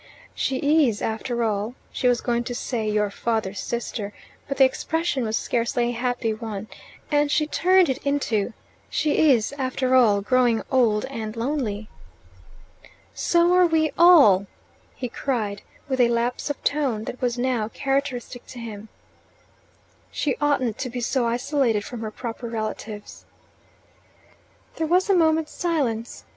"She is, after all " She was going to say "your father's sister," but the expression was scarcely a happy one, and she turned it into, "She is, after all, growing old and lonely." "So are we all!" he cried, with a lapse of tone that was now characteristic in him. "She oughtn't to be so isolated from her proper relatives." There was a moment's silence.